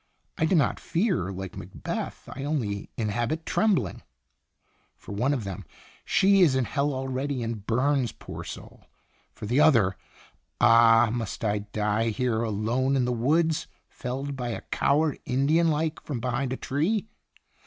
' I do not fear ; like Macbeth, I only inhabit trembling/ * For one of them she is in hell already, and burns, poor soul ! For the other' Ah! must I die here, alone in the woods, felled by a coward, Indian like, from behind a tree